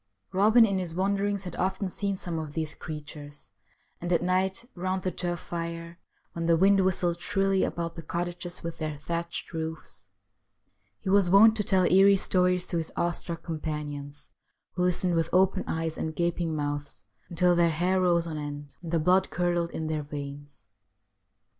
Eobin in his wanderings had often seen some of these creatures, and at night, round the turf 14 STQRIES WEIRD AND WONDERFUL fire, when the wind whistled shrilly about the cottages with their thatched roofs, he was wont to tell eerie stories to his awe struck companions, who listened with open eyes and gaping mouths until their hair rose on end, and the blood curdled in their veins.